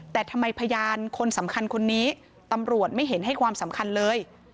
แต่ทำไมพยานคนสำคัญคนนี้ตำรวจไม่เห็นให้ความสำคัญเลย